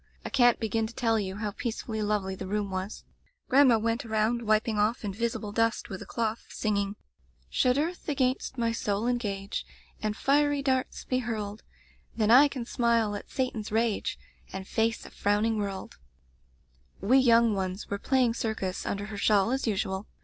I can't begin to tell you how peace fully lovely the room was. Grandma went Digitized by LjOOQ IC Interventions around wiping off invisible dust with a cloth, singing: '^ ^Should earth against my soul engage. And fiery darts be hurled, Then I can smile at Satan's rage, And face a frowning world/ "We young ones were playing circus un der her shawl, as usual.